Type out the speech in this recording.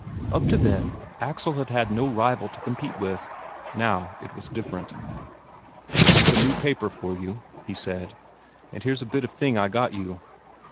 Up to then, Axel had had no rival to compete with now, it was different. "Here's a new paper for you," he said. "And here's a bit of a thing I got you.